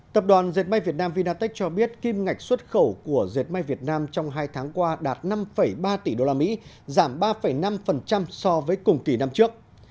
tập đoàn diệt may việt nam vinatech cho biết kim ngạch xuất khẩu của dệt may việt nam trong hai tháng qua đạt năm ba tỷ usd giảm ba năm so với cùng kỳ năm trước